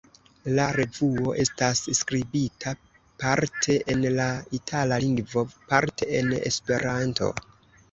La revuo estas skribita parte en la Itala lingvo, parte en Esperanto.